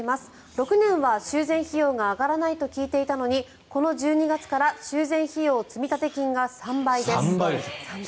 ６年は修繕費用が上がらないと聞いていたのにこの１２月から修繕費用積立金が３倍です。